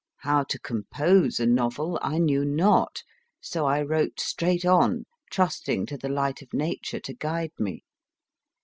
How to compose a novel I knew not, so I wrote straight on, trusting to the light of nature to guide me.